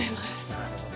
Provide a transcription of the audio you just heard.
なるほど。